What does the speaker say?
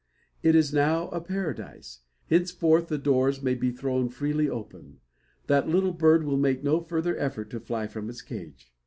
It is now a paradise. Henceforth the doors may be thrown freely open. That little bird will make no further effort to fly from its cage.